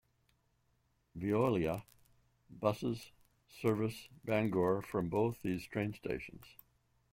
Veolia buses service Bangor from both these train stations.